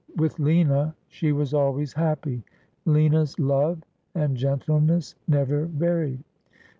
"With Lina she was always happy. Lina's love and gentle ness never varied.